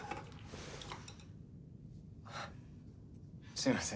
すみません。